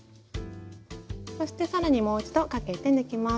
そして更にもう一度かけて抜きます。